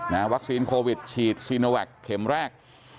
วัคซีนโควิดฉีดซีโนแวคเข็มแรก